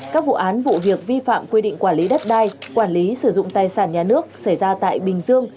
các vụ án vụ việc vi phạm quy định quản lý đất đai quản lý sử dụng tài sản nhà nước xảy ra tại bình dương